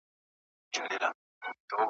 خپل تېر زرين دوی ته په سپکه